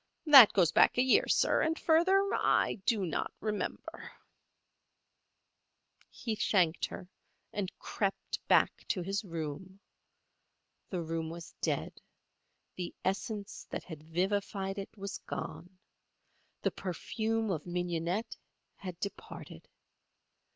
That goes back a year, sir, and further I do not remember." He thanked her and crept back to his room. The room was dead. The essence that had vivified it was gone. The perfume of mignonette had departed.